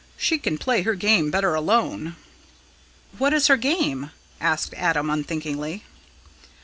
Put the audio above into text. She can play her game better alone!" "What is her game?" asked Adam unthinkingly.